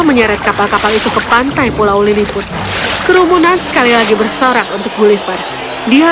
menyeret kapal kapal itu ke pantai pulau liliput kerumunan sekali lagi bersorak untuk gulliver dia